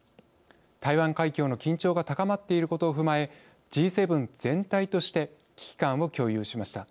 台湾海峡の緊張が高まっていることを踏まえＧ７全体として危機感を共有しました。